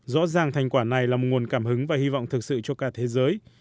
rõ ràng thành quả này là một nguồn cảm hứng và hy vọng thực sự cho cả thế giới